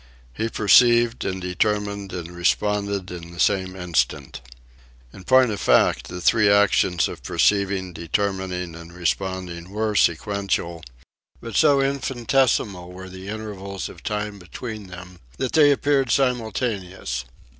He perceived and determined and responded in the same instant. In point of fact the three actions of perceiving, determining, and responding were sequential; but so infinitesimal were the intervals of time between them that they appeared simultaneous.